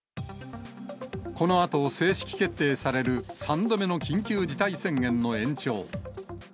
このあと正式決定される、３度目の緊急事態宣言の延長。